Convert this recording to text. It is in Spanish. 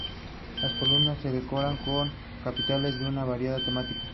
Ha participado en numerosos proyectos de investigación sobre estos temas.